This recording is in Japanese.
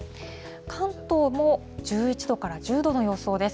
関東も１１度から１０度の予想です。